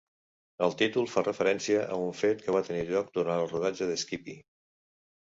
El títol fa referència a un fet que va tenir lloc durant el rodatge de "Skippy".